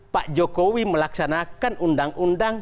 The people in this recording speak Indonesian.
pak jokowi melaksanakan undang undang